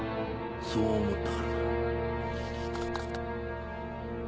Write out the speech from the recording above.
そう思ったからだ。